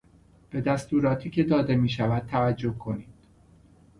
به دستوراتی که داده میشود توجه کنید.